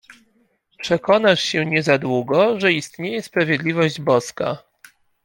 Przekonasz się niezadługo, że istnieje sprawiedliwość boska!